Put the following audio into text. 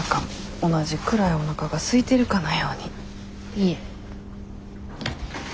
いえ。